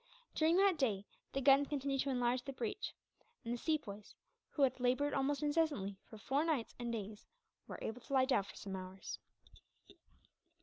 During that day the guns continued to enlarge the breach; and the Sepoys, who had laboured almost incessantly for four nights and days, were able to lie down for some hours.